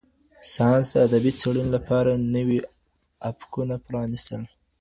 ساینس د ادبي څېړنې لپاره نوي افقونه پرانیستل.